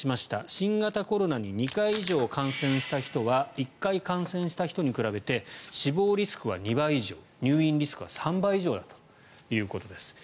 新型コロナに２回以上感染した人は１回感染した人に比べて死亡リスクは２倍以上入院リスクは３倍以上だったということです。